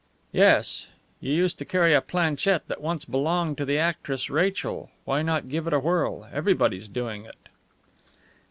"Yes. You used to carry a planchette that once belonged to the actress Rachel. Why not give it a whirl? Everybody's doing it."